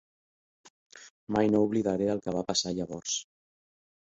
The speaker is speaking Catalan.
Mai no oblidaré el que va passar llavors.